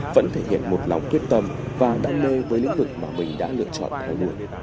vẫn thể hiện một lòng quyết tâm và đam mê với lĩnh vực mà mình đã lựa chọn thay đổi